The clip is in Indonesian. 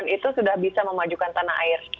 itu sudah bisa memajukan tanah air